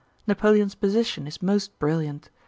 Napoleon's position is most brilliant.